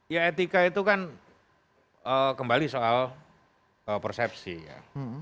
ya etika itu kan kembali soal persepsi ya